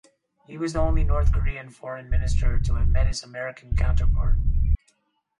He was the only North Korean foreign minister to have met his American counterpart.